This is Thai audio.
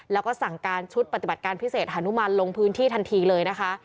แล้วก็สั่งการชุดปฏิบัติการพิเศษหานุมันลงพื้นที่ทันทีเลยนะคะ